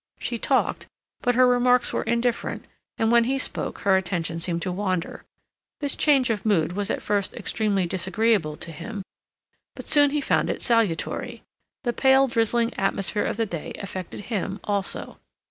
She talked, but her remarks were indifferent, and when he spoke her attention seemed to wander. This change of mood was at first extremely disagreeable to him; but soon he found it salutary. The pale drizzling atmosphere of the day affected him, also.